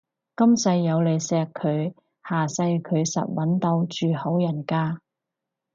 今世有你錫佢，下世佢實搵到住好人家